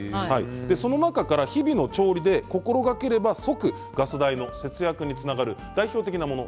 その中から日々の調理で心がければ、即ガス代の節約につながる代表的なもの